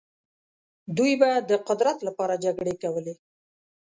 دوی به د قدرت لپاره جګړې کولې.